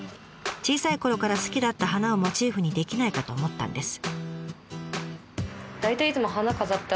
小さいころから好きだった花をモチーフにできないかと思ったんです。